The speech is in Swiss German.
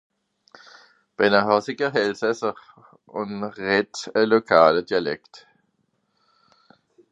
Bén a Häsiger Elssaser, un rèd a lokàla dialekt.